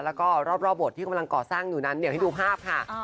แล้วก็รอบบทที่กำลังก่อสร้างอยู่นั้นเดี๋ยวให้ดูภาพค่ะ